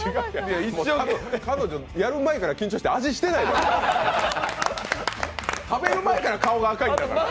彼女、やる前から緊張して味してないから。